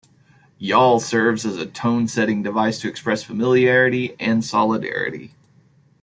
"Y'all" serves as a "tone-setting device to express familiarity and solidarity.